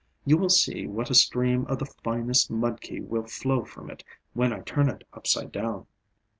You will see what a stream of the finest mudki will flow from it when I turn it upside down."